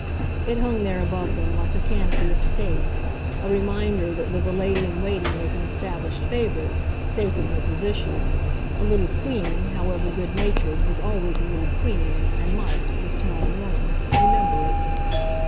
It hung there above them like a canopy of state, a reminder that though the lady in waiting was an established favourite, safe in her position, a little queen, however, good natured, was always a little queen and might, with small warning, remember it.